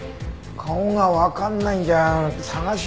顔がわかんないんじゃ捜しようがないよ。